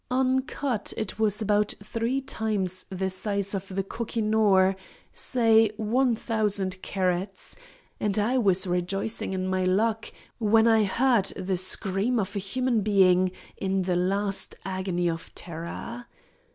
Uncut it was about three times the size of the koh i noor, say 1,000 carats, and I was rejoicing in my luck when I heard the scream of a human being in the last agony of terror.